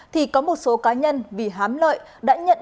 thì có một số cá nhân vì hám lợi đã nhận